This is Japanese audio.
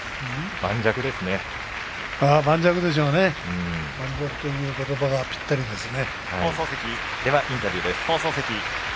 盤石ということばがぴったりですね。